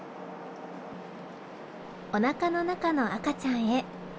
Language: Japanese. おなかの中の赤ちゃんへ。